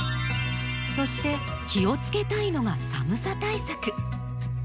そして気をつけたいのが寒さ対策。